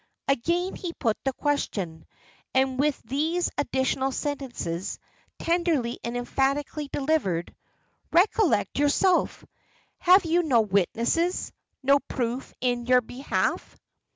Again he put the question, and with these additional sentences, tenderly and emphatically delivered "Recollect yourself. Have you no witnesses? No proof in your behalf?"